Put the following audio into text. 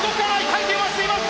回転はしています